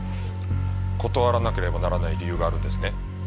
断らなければならない理由があるんですね？